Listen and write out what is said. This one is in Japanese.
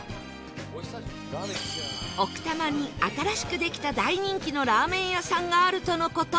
奥多摩に新しくできた大人気のラーメン屋さんがあるとの事